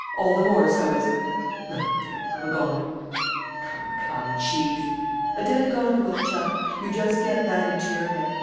All the more so as.... Well, there, I'm a goner!" "Come, come, Chief!" "A dead goner, old chap; you just get that into your head.